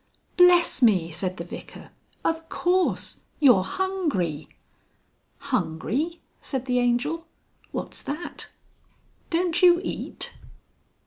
"Bless me!" said the Vicar. "Of course! You're hungry!" "Hungry!" said the Angel. "What's that?" "Don't you eat?"